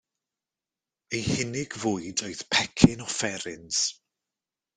Ei hunig fwyd oedd pecyn o fferins.